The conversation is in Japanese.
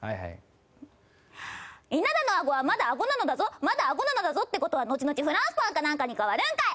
稲田のあごはまだあごなのだぞまだあごなのだぞってことは後々フランスパンか何かに変わるんかい！